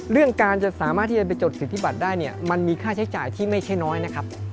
เรื่องการจะสามารถที่จะไปจดสิทธิบัตรได้เนี่ยมันมีค่าใช้จ่ายที่ไม่ใช่น้อยนะครับ